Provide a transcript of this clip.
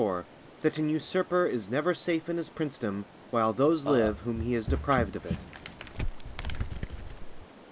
—_That an Usurper is never safe in his Princedom while those live whom he has deprived of it.